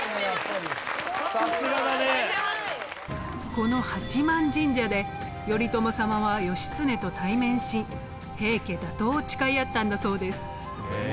この八幡神社で頼朝様は義経と対面し平家打倒を誓い合ったんだそうです。